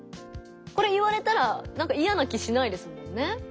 これ言われたらなんかいやな気しないですもんね。